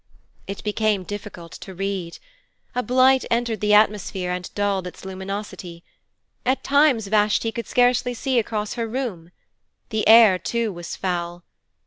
It became difficult to read. A blight entered the atmosphere and dulled its luminosity. At times Vashti could scarcely see across her room. The air, too, was foul.